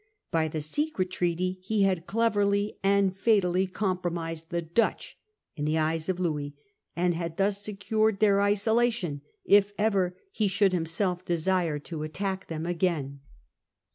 By the secret treaty he had cleverly and fatally compromised the Dutch in the eyes of Louis, and had thus secured their isolation if ever he should himself desire to attack them again.